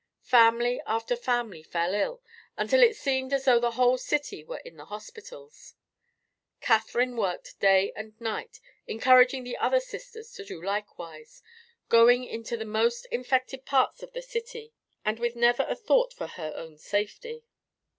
Family after family fell ill, until it seemed as though the whole city were in the hospitals. Catherine worked day and night, encouraging the other Sisters to do likewise, going into the most infected parts of the city, and with never a thought for her own safety.